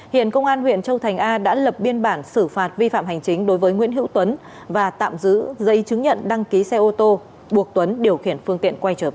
hiện công an huyện châu thành a đã lập biên bản xử phạt vi phạm hành chính đối với nguyễn hữu tuấn và tạm giữ giấy chứng nhận đăng ký xe ô tô buộc tuấn điều khiển phương tiện quay trở về